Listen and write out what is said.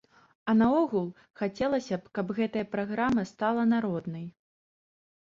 А наогул, хацелася б, каб гэтая праграма стала народнай.